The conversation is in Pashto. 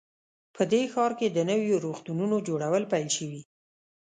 په دې ښار کې د نویو روغتونونو جوړول پیل شوي